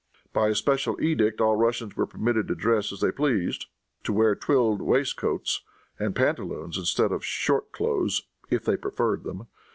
By a special edict all Russians were permitted to dress as they pleased, to wear twilled waistcoats and pantaloons, instead of short clothes, if they preferred them.